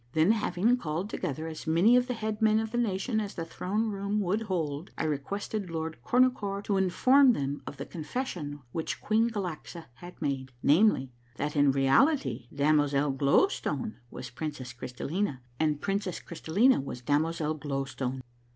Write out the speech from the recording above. Then hav ing called together as many of the head men of the nation as the throne room would hold, I requested Lord Cornucore to in form them of the confession winch Queen Galaxa had made ; namely, that in reality damozel Glow Stone was princess Crys tallina and princess Crystallina was damozel Glow Stone.